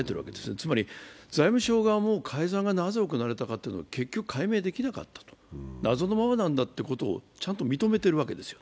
つまり財務省側も改ざんがなぜ行われたのか結局、解明できなかった、謎のままなんだということをちゃんと認めているわけですよ。